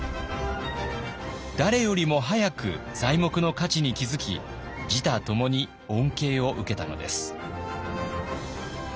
誰よりも早く材木の価値に気づき自他ともに恩恵を受けたのです。